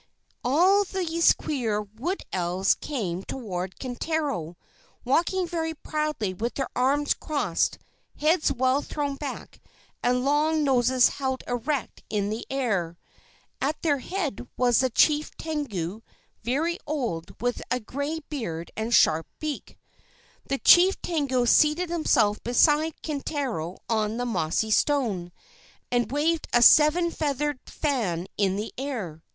All these queer Wood Elves came toward Kintaro, walking very proudly with their arms crossed, heads well thrown back, and long noses held erect in the air. At their head was the Chief Tengu, very old, with a gray beard and a sharp beak. The Chief Tengu seated himself beside Kintaro on the mossy stone, and waved a seven feathered fan in the air.